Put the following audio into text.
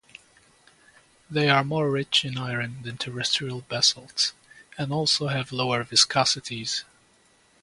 They are more rich in iron than terrestrial basalts, and also have lower viscosities.